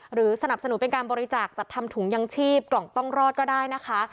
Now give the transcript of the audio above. สนับสนุนเป็นการบริจาคจัดทำถุงยังชีพกล่องต้องรอดก็ได้นะคะ